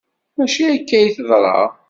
Maci akka ay teḍra.